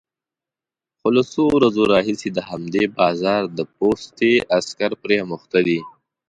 خو له څو ورځو راهيسې د همدې بازار د پوستې عسکر پرې اموخته دي،